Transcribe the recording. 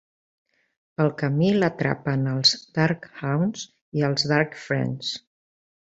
Pel camí l'atrapen els Darkhounds i els Darkfriends.